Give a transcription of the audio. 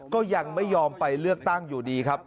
ก็ยังไม่ยอมไปเลือกตั้งอยู่ดีครับ